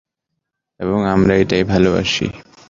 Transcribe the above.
এবং আমরা এটাই ভালোবাসি।